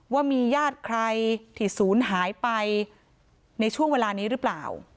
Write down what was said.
ว่ามีญาติใครที่ศูนย์หายไปในช่วงเวลานี้หรือเปล่า